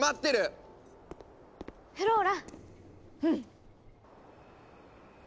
うん。